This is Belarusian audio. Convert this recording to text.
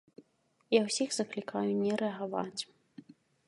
Я ўсіх заклікаю не рэагаваць.